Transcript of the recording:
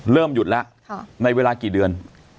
เริ่มหยุดแล้วในเวลากี่เดือน